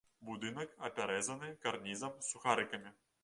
Будынак апяразаны карнізам з сухарыкамі.